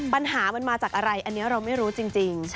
ปัญหามันมาจากอะไรอันนี้เราไม่รู้จริง